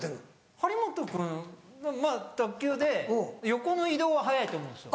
張本君まぁ卓球で横の移動は速いと思うんですよ。